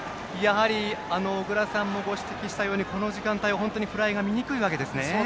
小倉さんもご指摘したようにこの時間帯はフライが見にくいわけですね。